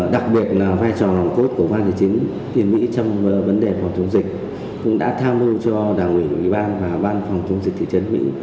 đặc biệt là vai trò nồng cốt của ban hành chính tiền mỹ trong vấn đề phòng chống dịch cũng đã tham mưu cho đảng ủy ủy ban và ban phòng chống dịch thị trấn mỹ